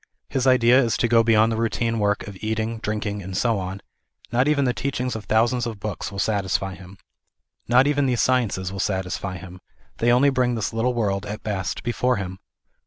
His idea is to go beyond the routine work of eating, drink ing and so on ; not even.4 the teaching of thousands of books will satisfy him. Not even the sciences will satisfy him ; they only bring this little world, at best, before him.